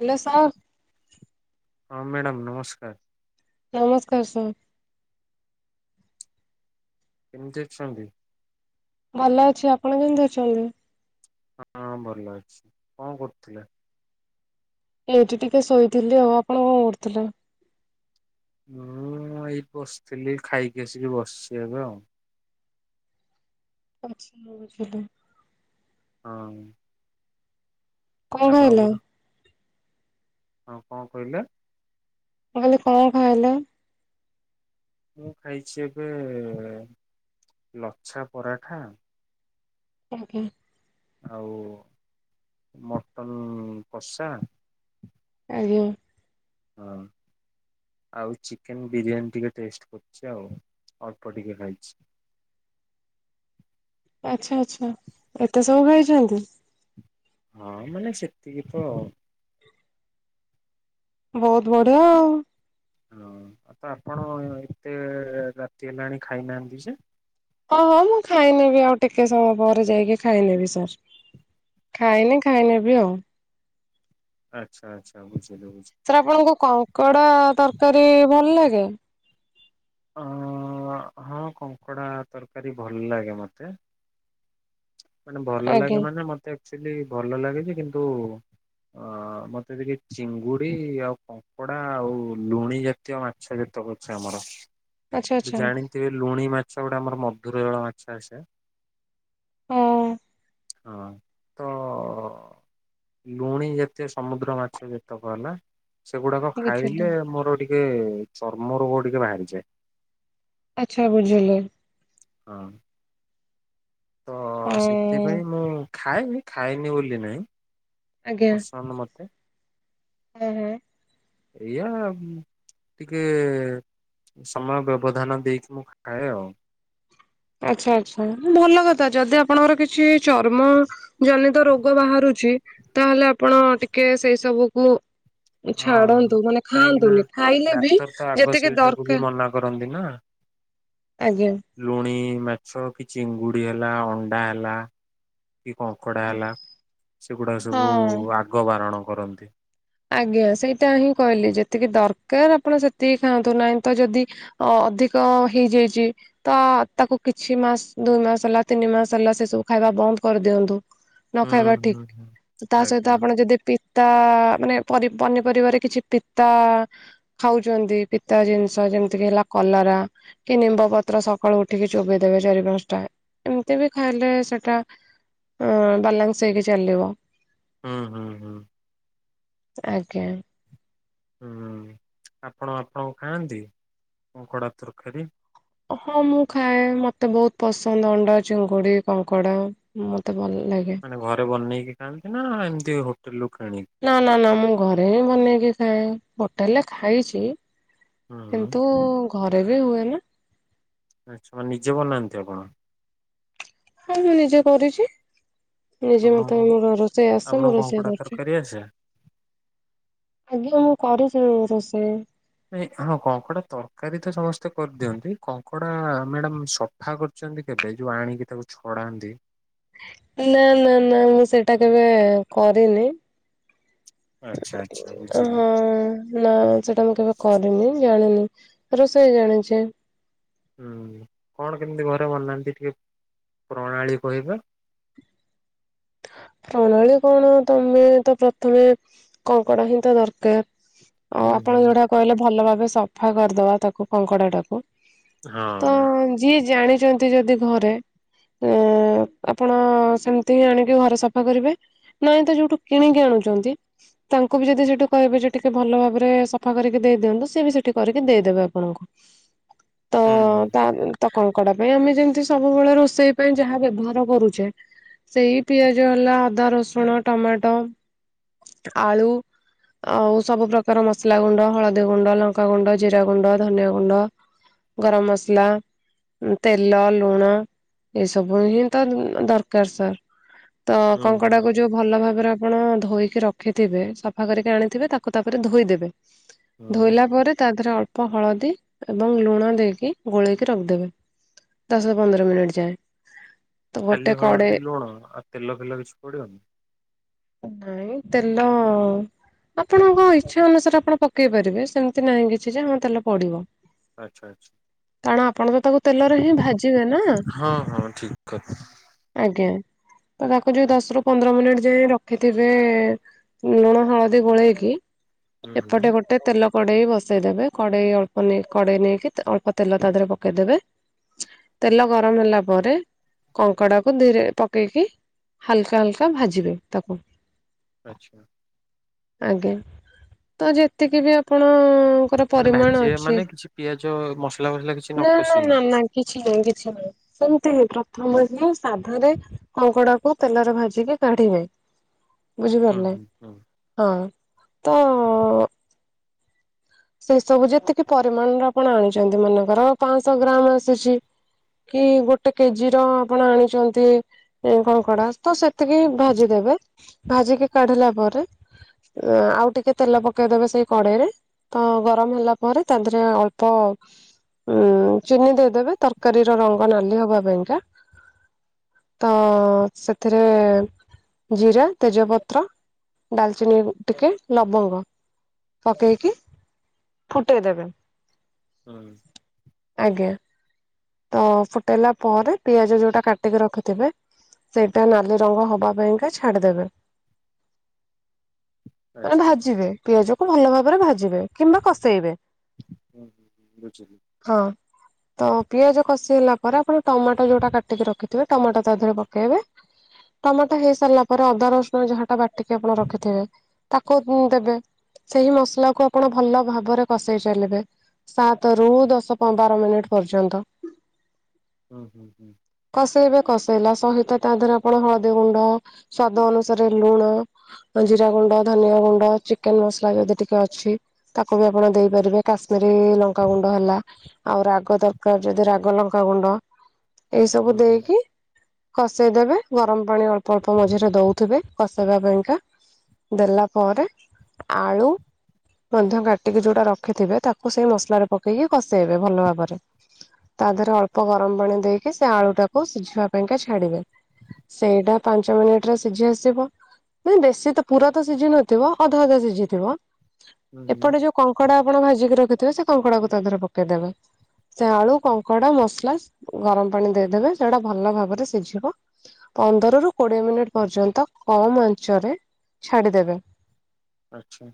Hello sir? ହଁ madam ନମସ୍କାର। ନମସ୍କାର ସାର୍। କେମିତି ଅଛନ୍ତି? ଭଲ ଅଛି ଆପଣ କେମିତି ଅଛନ୍ତି? ହଁ ଭଲ ଅଛି କଣ କରୁଥିଲେ? ଏଇଠି ଟିକେ ଶୋଇଥିଲି ଆଉ ଆପଣ କଣ କରୁଥିଲେ? ମୁଁ ଏଇଠି ବସିଥିଲି ଖାଇକି ଆସିକି ବସିଛି ଏବେ ଆଉ। ଆଚ୍ଛା ବୁଝିଲି। ହମ୍। କଣ ହେଲା? ହଁ କଣ କହିଲ? ମୁଁ କହିଲି କଣ ଖାଇଲେ? ମୁଁ ଖାଇଛି ଏବେ ଲଛା ପରାଠା। ଆଜ୍ଞା। ଆଉ ମଟନ୍ କଷା ଆଜ୍ଞା। ହଁ। ଆଉ ଚିକେନ୍ ବିରିୟାନୀ ଟିକେ ଟେଷ୍ଟ କରୁଛି ଆଉ ଅଳ୍ପ ଟିକେ ଖାଇଛି। ଆଚ୍ଛା ଆଚ୍ଛା ଏତେ ସବୁ ଖାଇଛନ୍ତି। ହାଁ ଇ ମାନେ ସେତିକି ତ ଆଉ। ବହୁତ ବଢିଆ ଆଉ। ହଁ ଆଉ ତ ଆପଣ ଏତେ ରାତି ହେଲାଣି ଖାଇନାହାନ୍ତି ଯେ। ହଁ ହଁ ମୁଁ ଖାଇନେବି ଆଉ ଟିକେ ସମୟ ପରେ ଯାଇକି ଖାଇନେବି ସାର୍। ଖାଇନି ଖାଇନେବି ଆଉ। ଆଚ୍ଛା ଆଚ୍ଛା ବୁଝିଗଲି ବୁଝି ସାର୍ ଆପଣଙ୍କୁ କଙ୍କଡ଼ା ତରକାରୀ ଭଲ ଲାଗେ? ହଁ କଙ୍କଡ଼ା ତରକାରୀ ଭଲ ଲାଗେ ମତେ। ମାନେ ଭଲ ଆଜ୍ଞା ଲାଗେ ମାନେ ମତେ ଏକ୍ଚୁଲି ଭଲ ଲାଗେଯେ କିନ୍ତୁ ଅ ମତେ ଟିକେ ଚିଙ୍ଗୁଡି ଆଉ କଙ୍କଡା ଆଉ ଲୁଣି ଯା ତୀୟ ମାଛ ଯେତକ ଅଛି ଆମର। ଆଚ୍ଛା ଆଚ୍ଛା ଜାଣିଥିବେ ଲୁଣି ମାଛ ଗୋଟେ ଆମର ମଧୁର ଜଳ ମାଛ ଆସେ। ହଁ। ହଁ ତ ଲୁଣି ଯେତେ ସମୁଦ୍ର ମାଛ ଯେତକ ନା ସେଗୁଡାକ ବୁଝିଲି ଖାଇଲେ ମୋର ଟିକେ ଚର୍ମ ରୋଗ ଟିକେ ବାହାରିଯାଏ। ଆଚ୍ଛା ବୁଝିଲେ। ହଁ। ତ ହଁ ସେଥିପାଇଁ ମୁଁ ଖାଏ ଖାଇନି ବୋଲି ନାହିଁ। ବସନ୍ତ ମତେ ହୁଁ ହୁଁ। ଏଇଆ ଟିକେ ସମୟ ବ୍ୟବଧାନ ଦେଇକି ମୁଁ ଖାଏ ତ। ଆଚ୍ଛା ଆଚ୍ଛା ଭଲ କଥା ଯଦି ଆପଣଙ୍କର କିଛି ଚର୍ମ ଜନିତ ରୋଗ ବାହାରୁଚି ତାହେଲେ ଆପଣ ଟିକେ ସେଇ ସବୁକୁ ହଁ ଛାଡନ୍ତୁ ମାନେ କାହିଁକି ନା ଖାଆନ୍ତୁନି ଖାଇଲେ ବି ଡାକ୍ତର ତ ଆଗ ଯେତିକି ସେଇଟାକୁ ବି ଦରକାର ମନା କରନ୍ତି ନା ଆଜ୍ଞା। ଲୁଣି ମାଛ କି ଚଙ୍ଗୁଡି ହେଲା ଅଣ୍ଡା ହେଲା। କି କଙ୍କଡା ହେଲା ସେଗୁଡା ସବୁ ହଁ ଆଗ ବାରଣ କରନ୍ତି। ଆଜ୍ଞା ସେଇଟା ହିଁ କହିଲି ଯେତିକି ଦରକାର ଆପଣ ସେତିକି ଖାଆନ୍ତୁ, ନାହିଁ ତ ଯଦି ଅ ଅଧିକ ହେଇଯାଇଚି। ତ ତାକୁ କିଛି ମାସ ଦୁଇ ମାସ ହେଲା ତିନି ମାସ ହେଲା ସେ ସବୁ ଖାଇବା ବନ୍ଦ କରିଦିଅନ୍ତୁ। ନ ହୁଁ ଖାଇବା ହୁଁ ହୁଁ ଠିକ ତା ସହିତ ଆଜ୍ଞା ଆପଣ ଯଦି ପିତା ମାନେ ପନିପରିବାରେ କିଛି ପିତା ଖାଉଚନ୍ତି ପିତା ଜିନିଷ ଯେମିତିକ ହେଲା କଲରା କି ନିମ୍ବ ପତ୍ର ସକାଳୁ ଉଠିକି ଚୋବେେଇଦେବେ ଚାରି ପାଞ୍ଚ ଟା ଏମିତି ବି ଖାଇଲେ ସେଟା ଆ ବାଲାନସ ହେଇକି ଚାଲିବ। ହଁ ହୁଁ ହୁଁ। ଆଜ୍ଞା। ହୁଁ ଆପଣ ଆପଣ ଖାଆନ୍ତି କଙ୍କଡ଼ା ତରକାରୀ? ହଁ ମୁଁ ଖାଏ ମତେ ବୋହୁତ ପସନ୍ଦ ଅଣ୍ଡା ଚିଙ୍ଗୁଡ଼ି କଙ୍କଡ଼ା ମତେ ଭଲ ଲାଗେ। ମାନେ ଘରେ ବନେଇକି ଖାଆନ୍ତି ନା ଏମିତି ହୋଟେଲ ରୁ କିଣିକି? ନା ନା ନା ମୁଁ ଘରେ ହିଁ ବନେଇକି ଖାଏ, ହୋଟେଲରେ ଖାଇଚି। ହୁଁ କିନ୍ତୁ ଘରେ ବି ହୁଏ ନା। ନିଜେ ବନାନ୍ତି ଆପଣ? ହଁ ମୁଁ ନିଜେ କରୁଚି। ନିଜେ ମତେ ଆପଣଙ୍କୁ ମୋର ରୋଷେଇ ଆସେ ମୁଁ ଆପଣଙ୍କୁ ରୋଷେଇ କଙ୍କଡା କରେ। ତରକାରୀ ଆସେ? ଆଜ୍ଞା ମୁଁ କରିଚି ରୋଷେଇ। ନାଇ ହଁ କଙ୍କଡା ତରକାରୀ ତ ସମସ୍ତେ କରିଦିଅନ୍ତି, କଙ୍କଡା ମ୍ୟାଡାମ ସ୍ ସଫା କରିଚନ୍ତି କେବେ ଯୋଉ ଆଣିକି ତାକୁ ଛଡାନ୍ତି। ନା ନା ନା ମୁଁ ସେଇଟା କେବେ କରିନି। ଆଚ୍ଛା ଆଚ୍ଛା ବୁଝିଲି ହଁ। ନା ସେଟା ମୁଁ କେବେ କରିନି ଜାଣିନି, ରୋଷେଇ ଜାଣିଛେ। ହୁଁ କଣ କେମିତି ଘରେ ବନାନ୍ତି ଟିକେ ପ୍ରଣାଳୀ କହିବେ। ପ୍ରଣାଳୀ କଣ ତମେ ତ ପ୍ରଥମେ କଙ୍କଡ ହିଁ ତ ଦରକାର। ଆ ହୁଁ ଆପଣ ହୁଁ ଯୋଉଟା କହିଲେ ଭଲ ଭାବେ ସଫା କରିଦବା ତାକୁ କଙ୍କଡାକୁ। ତ ହଁ ଯିଏ ଜାଣିଚ ଯଦି ଘରେ ଆପଣ ସେମିତି ଆଣି ଘର ସଫା କରିବେ ନାଇଁ ତ ଯୋଉଠୁ କିଣିକି ଆଣୁଚନ୍ତି ତାଙ୍କୁ ବି ଯଦି ସେଠୁ କହିବେ ଯେ ଟିକେ ଭଲ ଭାବରେ ସଫା କରିକି ଦେଇଦିଅନ୍ତୁ ସିଏ ବି ସେଠି କରିକି ଦେଇଦେବେ ଆପଣଙ୍କୁ। [inaudible] ତ ହୁଁ। ତା ତ କଙ୍କଡା ପାଇଁ ଆମେ ଯେମତି ସବୁବେଳେ ରୋଷେଇ ପାଇଁ ଯାହା ବ୍ୟବହାର କରୁଚେ ସେଇ ପିଆଜ ହେଲା, ଅଦା, ରସୁଣ, ଟମାଟୋ, ଆଳୁ। ଆଉ ସବୁ ପ୍ରକାର ମସଲା ଗୁଣ୍ଡ, ହଳଦୀ ଗୁଣ୍ଡ, ଲଙ୍କା ଗୁଣ୍ଡ, ଜିରା ଗୁଣ୍ଡ, ଧନିଆ ଗୁଣ୍ଡ। ଗରମ ମସଲା। ଉଁ ତେଲ, ଲୁଣ, ଏସବୁ ହିଁ ତ ଦରକାର ସାର୍। ତ ହୁଁ ହୁଁ କଙ୍କଡାକୁ ଯୋଉ ଭଲ ଭାବରେ ଆପଣ ଧୋଇକି ରଖିଥିବେ ସଫା କରିକି ଆଣିଥିବେ ତାକୁ ତାପରେ ଧୋଇଦେବେ। ହୁଁ ଧୋଇଲା ପରେ ତା ଦେହରେ ଅଳ୍ପ ହଳଦୀ ଏବଂ ଲୁଣ ଦେଇକି ଗୋଳେଇକି ରଖିଦେବେ। ଦଶ ପନ୍ଦର ମିନିଟ୍ ଯାଏଁ। ଖାଲି ହଳଦୀ, ଲୁଣ, ଆଉ ତେଲ ଫେଲ କିଛି ପଡିବନି? ନାଇଁ ତେଲ ଆପଣଙ୍କ ଇଚ୍ଛା ଅନୁସାରେ ଆପଣ ପକେଇ ପାରିବେ ସେମତି ନାହିଁ କିଛି ଯେ ହଁ ତେଲ ପଡିବ। ଆଚ୍ଛା ଆଚ୍ଛା। କାରଣ ଆପଣ ବି ତାକୁ ତେଲରେ ହିଁ ଭାଜିବେ ନା ହଁ ହଁ ଠିକ କଥା ଆଜ୍ଞା। ତ ତାକୁ ଯୋଉ ଦଶରୁ ପନ୍ଦର ମିନିଟ ଯାଏଁ ରଖିଥିବେ ଲୁଣ ହଳଦୀ ଗୋଳେଇକି ହୁଁ ଏପଟେ ହୁଁ ଗୋ ଗୋଟେ ତେଲ କଡ଼େଇ ବସେଇଦେବେ କଡ଼େଇ ଅଳ୍ପ ନେଇ କଡ଼େଇ ନେଇକି ତା ଅଳ୍ପ ତେଲ ତା ଦେହରେ ପକେଇଦେବେ। ତେଲ ଗରମ ହେଲା ପରେ କଙ୍କଡାକୁ ଧୀରେ ପ ପକେଇକି ହାଲକା ହାଲକା ଭାଜିବେ ତାକୁ। ଆଚ୍ଛା। ଆଜ୍ଞା ତ ଯେତିକି ବି ଆପଣ ମାନେ ଭାଜିବା ମାନେ କିଛି ପିଆଜ ମସଲା ଫସଲା କିଛି ନ ନା ନା ନା କଷିକି? ନା କିଛି ନାହିଁ କିଛି ନାହିଁ ସେମିତି ହିଁ ପ୍ରଥମେ ହିଁ ସାଧରେ କଙ୍କଡାକୁ ତେଲରେ ଭାଜିକି କାଢିବେ ହୁଁ ବୁଝିପାରିଲେ? ହୁଁ ହୁଁ ହଁ ତ ସେ ସବୁ ଯେତିକି ପରିମାଣରେ ଆପଣ ଆଣୁଚନ୍ତି ମନେକର ପାଆଂଶ ଗ୍ରାମ ଆସୁଛି। କି ଗୋଟେ କେଜିର ଆପଣ ଆଣିଚନ୍ତି। ଏ କଙ୍କଡା ତ ସେତିକି ହିଁ ଭାଜିଦେବେ ଭାଜିକି କାଢିଲା ପରେ ଅ ଆଉ ଟିକେ ତେଲ ପକେଇଦବେ ସେଇ କଡ଼େଇରେ। ତ ଗରମ ହେଲା ପରେ ତା ଦେହରେ ଅଳ୍ପ ଉଁ ଚିନି ଦେଇଦେବେ ତରକାରୀର ରଙ୍ଗ ନାଲି ହବା ପାଇଁକା। ତ ସେଥିରେ ଜିରା, ତେଜପତ୍ର ଡାଲଚିନି ଟିକେ ଲବଙ୍ଗ ପକେଇକି ଫୁଟେଇ ଦେବେ। ଉଁ। ଆଜ୍ଞା। ତ ଫୁଟେଇଲା ପରେ ପିଆଜ ଯୋଉଟା କାଟିକି ରଖିଥିବେ ସେଇଟା ନାଲିରଙ୍ଗ ହବାପାଇଁକା ଛାଡିଦେବେ। [inaudible] ମାନେ ଆଚ୍ଛା ଆଚ୍ଛା। ଭାଜିବେ ପିଆଜକୁ ଭଲ ଭାବରେ ଭାଜିବେ କିମ୍ବା କଷେଇବେ। ଉଁ ହୁଁ ହୁଁ ବୁଝିଲି। ହଁ। ତ ପିଆଜ କଷି ହେଲା ପରେ ଆପଣ ଟମାଟୋ ଯୋଉଟା କାଟିକି ରଖିଥିବେ ଟମାଟୋ ତା ଦେହରେ ପକେଇବେ। ଟମାଟୋ ହେଇସାରଲା ପରେ ଅଦା ରସୁଣ ଯାହାଟା ବାଟିକି ଆପଣ ରଖିଥିବେ ତାକୁ ପୁ ଦେବେ ସେହି ମସଲାକୁ ଆପଣ ଭଲ ଭାବରେ କଷେଇ ଚାଲିବେ ସାତରୁ ଦଶପନ୍ଦର ମିନିଟ ପର୍ଯ୍ୟନ୍ତ। ହୁଁ ହୁଁ ହୁଁ। କସେଇବେ କସେଇଲା ସହିତ ତା ଦେହରେ ଆପଣ ହଳଦୀ ଗୁଣ୍ଡ ସ୍ଵାଦ ଅନୁସାରେ ଲୁଣ ଜିରା ଗୁଣ୍ଡ, ଧନିଆ ଗୁଣ୍ଡ, ଚିକେନ ମସଲା ଯଦି ଟିକେ ଅଛି। ତାକୁ ବି ଆପଣ ଦେଇପାରିବେ କାଶ୍ମୀରୀ ଲଙ୍କାଗୁଣ୍ଡ ହେଲା। ଆଉ ରାଗ ଦରକାର ଯଦି ରାଗ ଲଙ୍କାଗୁଣ୍ଡ ଏଇ ସବୁ ହୁଁ ହୁଁ ଦେଇକି କସିଦେବେ ଗରମ ପାଣି ଅଳ୍ପ ଅଳ୍ପ ମଝିରେ ଦଉଥିବେ କସିବା ପାଇଁକା ଦେଲା ପରେ ଆଳୁ ମଧ୍ୟ କାଟିକି ଯୋଉଟା ରଖିଥିବେ ତାକୁ ସେଇ ମସଲାରେ ପକେଇକି କସେଇବେ ଭଲ ଭାବରେ। ତା ଦେହରେ ଅଳ୍ପ ଗରମ ପାଣି ଦେଇକି ସେ ଆଳୁ ଟାକୁ ସିଝିବା ପାଇଁକା ଛାଡିବେ। ସେଇଟା ପାଞ୍ଚ ମିନିଟରେ ସିଝି ଆସିବ। ବେଶୀ ତ ପୁରା ତ ସିଝି ନଥିବ ଅଧା ଅଧା ସିଝିଥିବ। ହୁଁ ହୁଁ ଏପଟେ ଯୋଉ କଙ୍କଡା ଆପଣ ଭାଜିକି ରଖିଥିବେ ସେ କଙ୍କଡାକୁ ତା ଧେରେ ପକେଇଦେବେ। ସେ ଆଳୁ, କଙ୍କଡା, ମସଲା ଗରମ ପାଣି ଦେଇଦେବେ ସେଟା ଭଲ ଭାବରେ ସିଝିବ। ପନ୍ଦରରୁ କୋଡ଼ିଏ ମିନିଟ୍ ପର୍ଯ୍ୟନ୍ତ କମ୍ ଆଞ୍ଚରେ ଛାଡ଼ିଦେବେ। ଆଚ୍ଛା।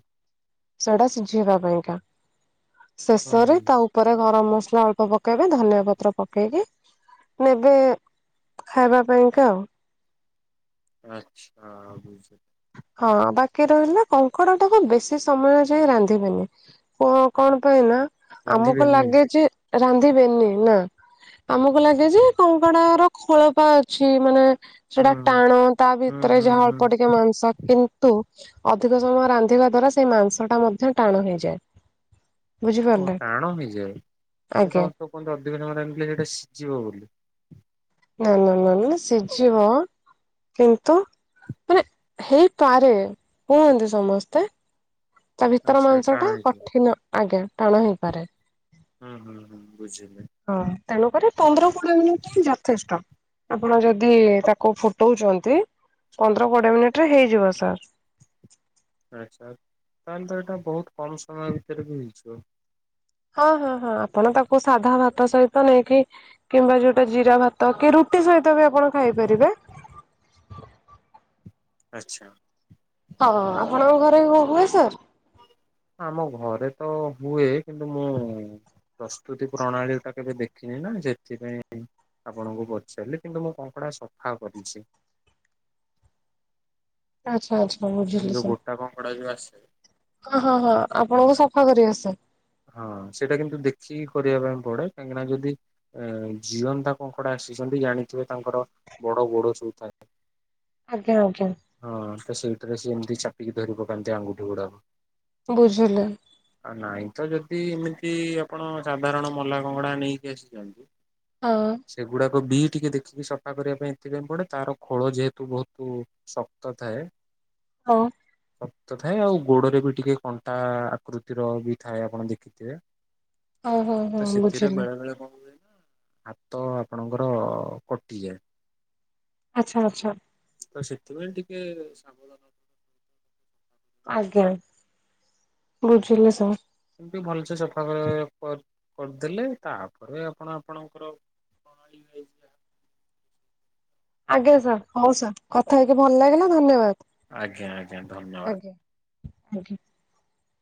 ସେଟା ସିଝେଇବା ପାଇଁକା ହୁଁ ଶେଷରେ ହୁଁ ତା ଉପରେ ଗରମ ମସଲା ଅଳ୍ପ ପକେଇବେ ଧନିଆ ପତ୍ର ପକେଇକି ନେବେ ଖାଇବା ପାଇଁକା ଆଉ। ଆଚ୍ଛା ବୁଝିଲି। ହଁ ବାକି ରହିଲା କଙ୍କଡା ଟାକୁ ବେଶୀ ସମୟ ଯାଏ ରାନ୍ଧିବେନି। କ କଣ ପାଇଁ ନା ରାନ୍ଧି ଆମକୁ ବେନି ଲାଗେ ଯେ ରାନ୍ଧିବେନି ନା ଆମକୁ ଲାଗେ ଯେ କଙ୍କଡାର ଖୋଳପା ଅଛି ମାନେ ସେଟା ହୁଁ ଟାଣ ତା ହୁଁ ଭିତରେ ହୁଁ ଯାହା ହୁଁ ଅଳ୍ପ ଟିକେ ମା କିନ୍ତୁ ଅଧିକ ସମୟ ରାନ୍ଧିବା ଦ୍ଵାରା ସେଇ ମାଂସଟା ମଧ୍ୟ ଟାଣ ହେଇଯାଏ। ଓ ବୁଝିପାରିଲେ ଟାଣ ହେଇଯାଏ [inaudible] ଆଜ୍ଞା କହନ୍ତି ଅଧିକ ସମୟ ରନ୍ଧିଲେ ସେଟା ସିଝିବ ବୋଲି। ନା ନା ନା ନା ସିଝିବ କିନ୍ତୁ ମାନେ ହେଇପାରେ କୁହନ୍ତି ସମସ୍ତେ। ତା ଭିତର ଆଚ୍ଛା ଟାଣ ମାଂସଟା ହେଇଯିବ କଠିନ ଆଜ୍ଞା ଟାଣ ହେଇପାରେ। ହୁଁ ହୁଁ ହୁଁ ବୁଝିଲି। ହଁ ତେଣୁକରି ପନ୍ଦର କୋଡିଏ ମିନିଟ ଯଥେଷ୍ଟ। ଆପଣ ଯଦି ତାକୁ ଫୁଟଉଛନ୍ତି ପନ୍ଦର କୋଡିଏ ମିନିଟରେ ହେଇଯିବ ସାର୍। ଆଚ୍ଛା ତାହେଲେ ତ ଏଇଟା ବହୁତ କମ ସମୟ ଭିତରେ ବି ହେଇଯିବ? ହଁ ହଁ ହଁ ଆପଣ ତାକୁ ସାଧା ଭାତ ସହିତ ନେଇକି କିମ୍ବା ଯୋଉଟା ଜିରା ଭାତ କି ରୁ ରୁଟି ସହିତ ବି ଆପଣ ଖାଇପାରିବେ। ଆଚ୍ଛା। ହଁ ଆପଣଙ୍କ ଘରେ କଣ ହୁଏ ସାର୍? ଆମ ଘରେ ତ ହୁଏ କିନ୍ତୁ ମୁଁ ପ୍ରସ୍ତୁତି ପ୍ରଣାଳୀ ଟା କେବେ ଦେଖିନି ନା ସେଥିପାଇଁ ଆପଣଙ୍କୁ ପଚାରଲି କିନ୍ତୁ ମୋ କଙ୍କଡା ସଫା କରିଛି। ଆଚ୍ଛା ଆଚ୍ଛା ମାନେ ବୁଝିଲି ଯୋଉ ସାର୍। ଗୋଟା କଙ୍କଡା ଯୋଉ ଆସ ହଁ ହଁ ହଁ ଆପଣଙ୍କୁ ସଫା କରି ଆସେ? ହଁ ସେଇଟା କିନ୍ତୁ ଦେଖିକି କରିବା ପାଇଁ ପଡେ କାହିଁକି ନା ଯଦି ଏ ଜିଅନ୍ତା କଙ୍କଡା ଆସିଛନ୍ତି ଜାଣିଥିବେ ତାଙ୍କର ବଡ ଗୋଡ ସବୁଥାଏ। ଆଜ୍ଞା ଆଜ୍ଞା। ହଁ ତ ସେଇଥିରେ ସେ ଏମିତି ଚାପିକି ଧରି ପକାନ୍ତି ଆଙ୍ଗୁଠି ଗୁଡାକ। ବୁଝିଲେ। ଆ ନାଇଁ ତ ଯଦି ଏମିତି ଆପଣ ସାଧାରଣ ମଲା କଙ୍କଡା ନେଇକି ଆସିଛନ୍ତି। ହଁ। ସେଗୁଡ଼ାକ ବି ଟିକେ ଦେଖିକି ସଫା କରିବା ପାଇଁ ଏଥିପାଇଁ ପଡ଼େ ତାର ଖୋଳ ଯେହେତୁ ବହୁତ ଶକ୍ତ ଥାଏ [inaudible] ହୋଉ। ଶକ୍ତ ଥାଏ ଆଉ ଗୋଡରେ ବି ଟିକେ କଣ୍ଟା ଆକୃତିର ବି ଥାଏ ଆପଣ ଦେଖିଥିବେ। ହଁ ହଁ ହଁ ତ ସେଥିରେ ବୁଝିଲି ବେଳେ ବେଳେ କଣ ହାତ ଆପଣଙ୍କର କଟିଯାଏ। ଆଚ୍ଛା ଆଚ୍ଛା। ଆଉ ସେଥିପାଇଁ ଟିକେ ସାବଧାନ ଆଜ୍ଞା ବୁଝିଲି ସବୁ। ଏମତି ଭଲସେ ସଫା ଆ ପ କର କରିଦେଲେ ତାପରେ ଆପଣ ଆପଣଙ୍କର କଣା ହେଇଯାଇଛି। ଆଜ୍ଞା ସାର୍ ହଉ ସାର୍ କଥା ହେଇକି ଭଲ ଲାଗିଲା ଧନ୍ୟବାଦ। ଆଜ୍ଞା ଆଜ୍ଞା। ଧନ୍ୟବାଦ। ଆଜ୍ଞା ଆଜ୍ଞା।